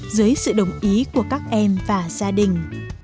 dưới sự đồng ý của các em và gia đình